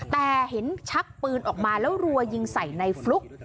แต่เห็นชักปืนออกมาแล้วรัวยิงใส่ในฟลุ๊ก